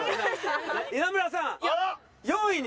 稲村さん４位に。